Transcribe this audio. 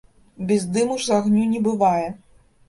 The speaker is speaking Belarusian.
Без дыму ж агню не бывае.